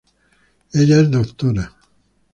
Ella es doctora.